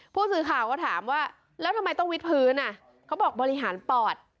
ผู้สื่อข่าวก็ถามว่าแล้วทำไมต้องวิดพื้นอ่ะเขาบอกบริหารปอด